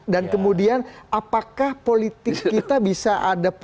dan kemudian apakah politik kita bisa ada